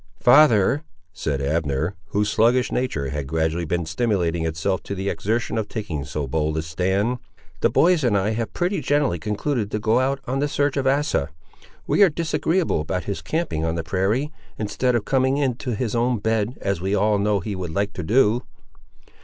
"Father," said Abner, whose sluggish nature had gradually been stimulating itself to the exertion of taking so bold a stand, "the boys and I have pretty generally concluded to go out on the search of Asa. We are disagreeable about his camping on the prairie, instead of coming in to his own bed, as we all know he would like to do."